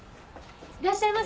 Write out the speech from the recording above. いらっしゃいませ。